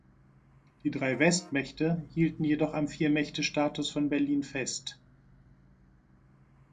Die drei Westmächte hielten jedoch am Viermächte-Status von Berlin fest.